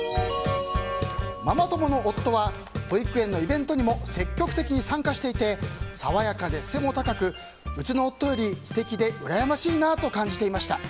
ママ友の夫は保育園のイベントにも積極的に参加していてさわやかで背も高くうちの夫より素敵でうらやましいなと感じていました。